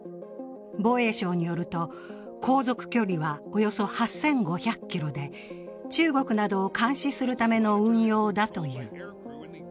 防衛省によると航続距離はおよそ８５００ｋｍで中国などを監視するための運用だという。